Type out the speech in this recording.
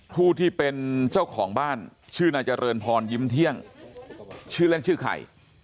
ผู้ที่เป็นเจ้าของบ้านชื่อนายเจริญพรยิ้มเที่ยงชื่อเล่นชื่อไข่